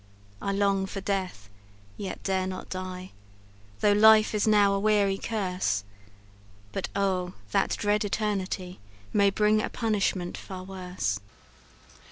I long for death, yet dare not die, Though life is now a weary curse; But oh, that dread eternity May bring a punishment far worse!"